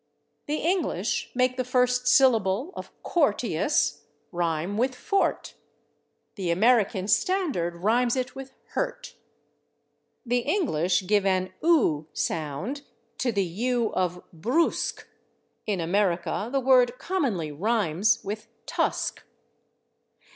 The English make the first syllable of /courteous/ rhyme with /fort/; the American standard rhymes it with /hurt/. The English give an /oo/ sound to the /u/ of /brusque/; in America the word commonly rhymes with /tusk